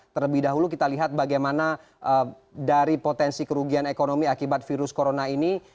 terlebih dahulu kita lihat bagaimana dari potensi kerugian ekonomi akibat virus corona ini